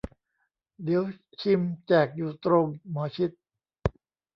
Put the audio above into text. เดี๋ยวชิม แจกอยู่ตรง หมอชิต